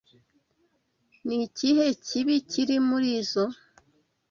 Ni ikihe kibi kiri muri izoi?